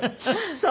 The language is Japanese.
そう？